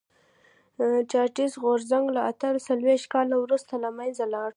چارټېست غورځنګ له اته څلوېښت کال وروسته له منځه لاړ.